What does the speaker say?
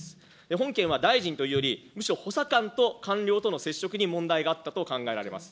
本件は大臣というより、むしろ補佐官と官僚の接触に問題があったと考えられます。